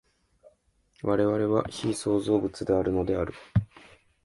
我々は被創造物であるのである。